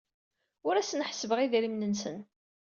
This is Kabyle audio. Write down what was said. Ur asen-ḥessbeɣ idrimen-nsen.